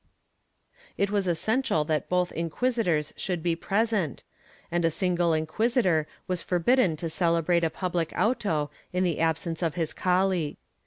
^ It was essential that both inquisitors should be present, and a single inquisitor was forbidden to celebrate a public auto in the absence of his colleague.